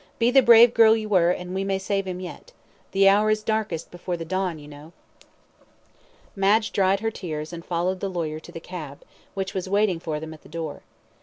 "Be the brave girl you were, and we may save him yet. The hour is darkest before the dawn, you know." Madge dried her tears, and followed the lawyer to the cab, which was waiting for them at the door.